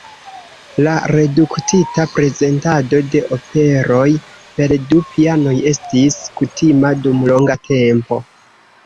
La reduktita prezentado de operoj per du pianoj estis kutima dum longa tempo.